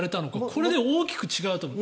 これで大きく違うと思う。